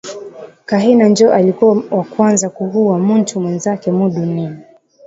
Kahina njo alikuwa wakwanza kuhuwa muntu mwenzake mu dunia